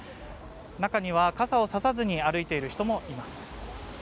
中には傘を差さずに歩いている人もいます。